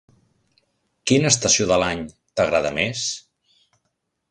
Quina estació de l'any t'agrada més?